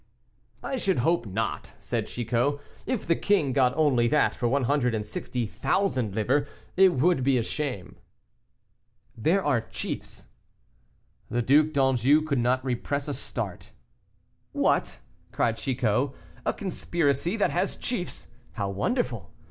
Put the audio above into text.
"I should hope not," said Chicot; "if the king got only that for one hundred and sixty thousand livres, it would be a shame." "There are chiefs " The Duc d'Anjou could not repress a start. "What!" cried Chicot, "a conspiracy that has chiefs! how wonderful!